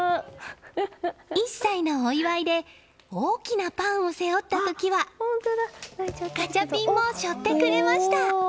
１歳のお祝いで大きなパンを背負った時はガチャピンも背負ってくれました。